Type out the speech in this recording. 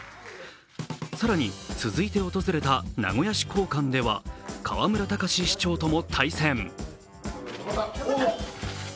更に続いて訪れた名古屋市公館では河村たかし市長との対戦。